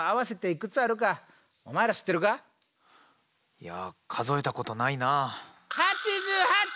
いや数えたことないなあ。